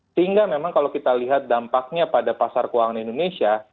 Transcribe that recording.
sehingga memang kalau kita lihat dampaknya pada pasar keuangan indonesia